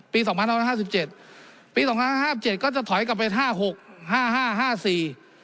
สองพันห้าร้อยห้าสิบเจ็ดปีสองพันห้าเจ็ดก็จะถอยกลับไปห้าหกห้าห้าสี่